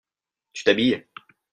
Tu t'habilles ?